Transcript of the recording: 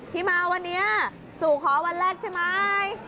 ที่มาวันนี้สู่ขอวันแรกใช่ไหม